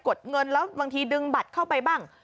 ดเงินแล้วบางทีดึงบัตรเข้าไปบ้าง